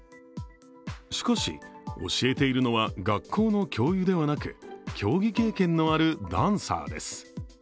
しかし、教えているのは学校の教諭ではなく競技経験のあるダンサーです。